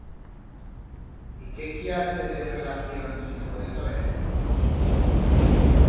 Y qué cllase de relación, si se puede saber?